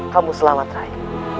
kamu selamat rai